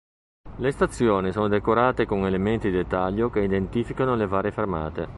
Le stazioni sono decorate con elementi di dettaglio che identificano le varie fermate.